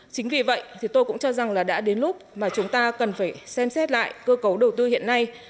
chính vì vậy thì tôi cũng cho rằng là đã đến lúc mà chúng ta cần phải xem xét lại cơ cấu đầu tư hiện nay